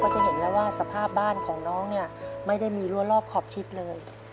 จะเห็นแล้วว่าสภาพบ้านของน้องเนี่ยไม่ได้มีรัวรอบขอบชิดเลย